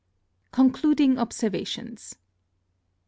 CONCLUDING OBSERVATIONS.